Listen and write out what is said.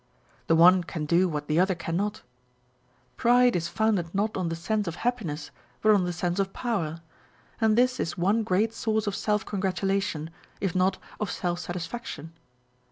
The one can do what the other cannot. Pride is founded not on the sense of happiness, but on the sense of power ; and this is one great source of self congratulation, if not of self satis faction.